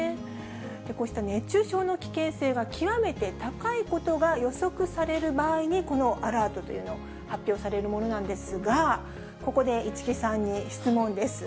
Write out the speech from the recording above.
こうした熱中症の危険性が極めて高いことが予測される場合に、このアラートというもの、発表されるんですが、ここで市來さんに質問です。